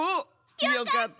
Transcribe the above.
よかった！